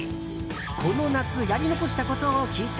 この夏やり残したことを聞いた。